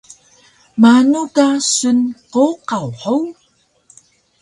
Manu ka sun qowqaw hug?